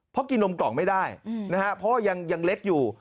เพราะกินนมกล่องไม่ได้นะฮะเพราะว่ายังเล็กอยู่